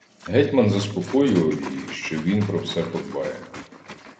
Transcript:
Гетьман заспокоював її, що він про все подбає.